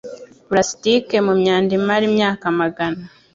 Plastike mu myanda imara imyaka amagana.